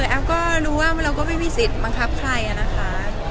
แอฟก็รู้ว่าเราก็ไม่มีสิทธิ์บังคับใครนะคะ